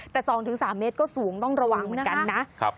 แต่๒๓เมตรก็สูงต้องระวังเหมือนกันนะ